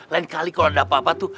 lain kali kalau tidak apa apa tuh